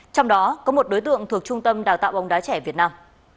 trong đó có một đối tượng thuộc trung tâm đào tạo bóng đá trẻ việt nam